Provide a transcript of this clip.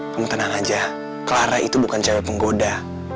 kamu tenang aja clara itu bukan cewek penggoda